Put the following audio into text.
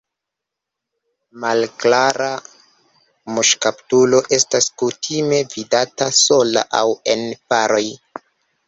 La Malklara muŝkaptulo estas kutime vidata sola aŭ en paroj.